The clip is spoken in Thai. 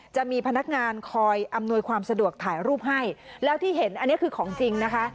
จะมีพนักงานคอยอำนวยความสะดวกถ่ายรูปให้แล้วที่เห็นอันนี้คือของจริงนะคะ